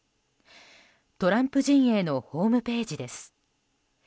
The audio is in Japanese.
トランプ陣営のホームページです。